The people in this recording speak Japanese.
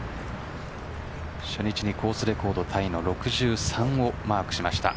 初日にコースレコードタイの６３をマークしました。